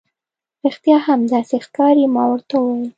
رښتیا هم، داسې ښکاري. ما ورته وویل.